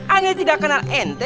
aneh tidak kenal ente